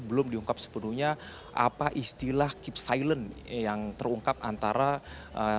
belum diungkap sepenuhnya apa istilah keep silent yang terungkap antara eee